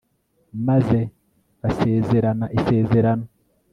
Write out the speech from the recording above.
Maze basezerana isezerano